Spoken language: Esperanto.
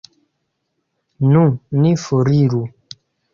Nu, ni foriru!